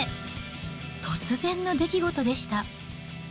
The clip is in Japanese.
突然の出来事でした。